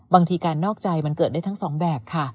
บางทีการนอกใจมันเกิดได้ทั้งสองแบบค่ะ